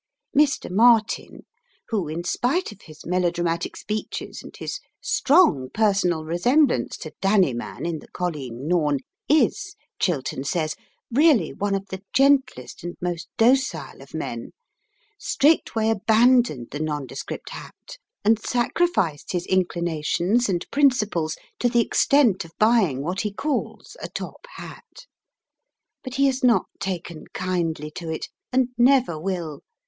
Mr. Martin, who, in spite of his melodramatic speeches and his strong personal resemblance to Danny Man in the "Colleen Nawn," is, Chiltern says, really one of the gentlest and most docile of men, straightway abandoned the nondescript hat and sacrificed his inclinations and principles to the extent of buying what he calls "a top hat." But he has not taken kindly to it, and never will.